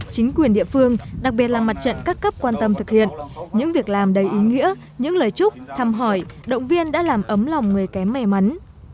chính quyền địa phương đặc biệt là mặt trận các cấp quan tâm thực hiện những việc làm đầy ý nghĩa những lời chúc thăm hỏi động viên đã làm ấm lòng người kém may mắn